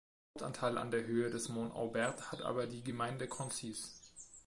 Hauptanteil an der Höhe des Mont Aubert hat aber die Gemeinde Concise.